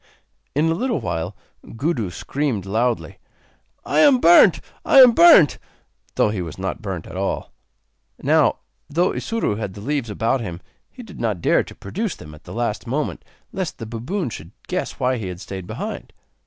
In a little while Gudu screamed loudly: 'I am burnt! I am burnt!' though he was not burnt at all. Now, though Isuro had the leaves about him, he did not dare to produce them at the last moment lest the baboon should guess why he had stayed behind.